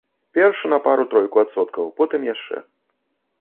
Перш на пару-тройку адсоткаў, потым яшчэ.